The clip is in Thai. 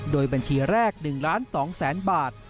โดยบัญชีแรก๑ล้าน๒แสนบาท